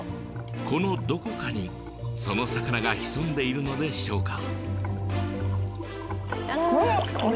このどこかにその魚が潜んでいるのでしょうか。